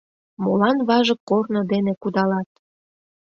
Молан важык корно дене кудалат?